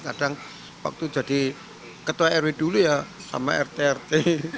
kadang waktu jadi ketua rw dulu ya sama rt rt